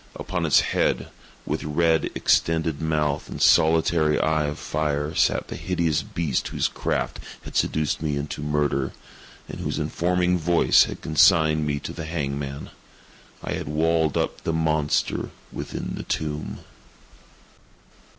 Upon its head, with red extended mouth and solitary eye of fire, sat the hideous beast whose craft had seduced me into murder, and whose informing voice had consigned me to the hangman. I had walled the monster up within the tomb!